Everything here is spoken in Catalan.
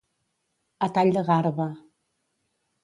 A tall de garba.